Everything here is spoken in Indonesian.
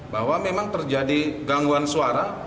bahwa memang terjadi gangguan suara